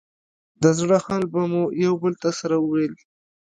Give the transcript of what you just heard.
د زړه حال به مو يو بل ته سره ويل.